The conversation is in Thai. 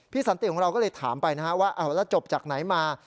สันติของเราก็เลยถามไปนะฮะว่าแล้วจบจากไหนมา